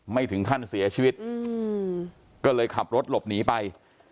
ไม่ถึงขั้นเสียชีวิตก็เลยขับรถหลบหนีไป